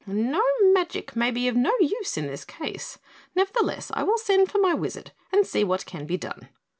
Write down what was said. "Gnome magic may be of no use in this case; nevertheless, I will send for my wizard and see what can be done."